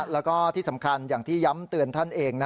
แล้วก็ที่สำคัญอย่างที่ย้ำเตือนท่านเอง